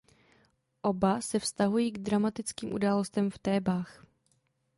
Oba se vztahují k dramatickým událostem v Thébách.